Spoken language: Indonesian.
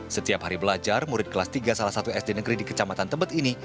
setiap hari belajar murid kelas tiga salah satu sd negeri di kecamatan tebet ini